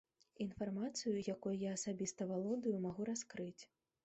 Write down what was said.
Інфармацыю, якой я асабіста валодаю, магу раскрыць.